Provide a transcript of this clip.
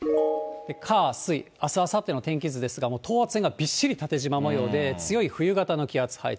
火、水、あすあさっての天気図ですが、等圧線がびっしり縦模様で、強い冬型の気圧配置。